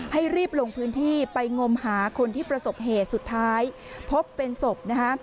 ให้รีบลงพื้นที่ไปงมหาคนที่ประสบเหตุสุดท้ายพบเป็นศพนะคะ